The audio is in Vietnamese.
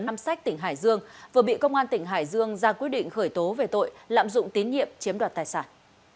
nam sách tỉnh hải dương vừa bị công an tỉnh hải dương ra quyết định khởi tố về tội lạm dụng tín nhiệm chiếm đoạt tài sản